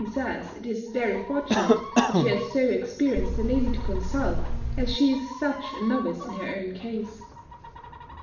says it is very fortunate, that she has so experienced a lady to consult, as she is such a novice in her own case.